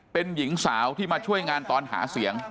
เป็นหญิงสาวที่มาช่วยงานตอนหาเสียง